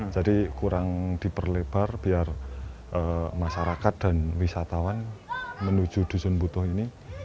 jadi kurang diperlebar biar masyarakat dan wisatawan menuju dusun butuh ini